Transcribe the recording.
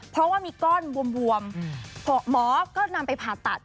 เพราะว่ามีก้อนบวมหมอก็นำไปผ่าตัด